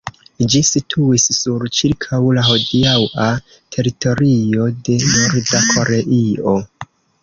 Ĝi situis sur ĉirkaŭ la hodiaŭa teritorio de Norda Koreio.